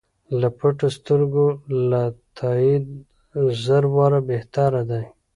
له پټو سترګو له تاییده زر واره بهتر دی.